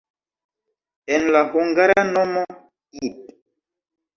En la hungara nomo "id.